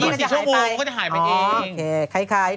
มันจะหายไปอ๋อโอเคคล้าย